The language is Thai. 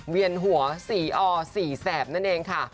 เวียนหัวสีอสี่แสบนั่นเองค่ะ